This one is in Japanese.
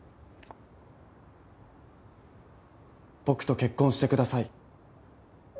僕と結婚してください。